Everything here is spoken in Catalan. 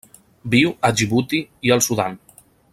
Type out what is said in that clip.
Viu a Djibouti i el Sudan.